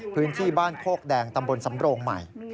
พื้นที่บ้านโคกแดงตำบลสำโรงใหม่